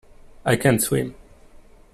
I can't swim.